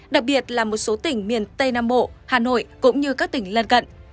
đặc biệt là một số tỉnh miền tây nam bộ hà nội cũng như các tỉnh lân cận